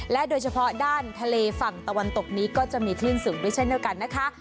โดยเฉพาะด้านทะเลฝั่งตะวันตกนี้ก็จะมีคลื่นสูงด้วยเช่นเดียวกันนะคะ